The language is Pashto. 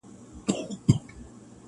ډېوې د اُمیدنو مو لا بلي دي ساتلي,